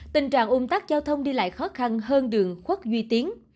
tình trạng ung tắc giao thông đi lại khó khăn hơn đường khuất duy tiến